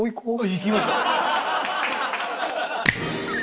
行きましょう。